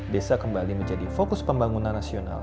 desa kembali menjadi fokus pembangunan nasional